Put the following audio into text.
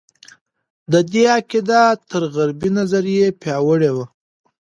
د دې عقیده تر غربي نظریې پیاوړې وه.